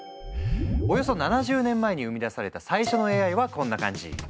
およそ７０年前に生み出された最初のＡＩはこんな感じ。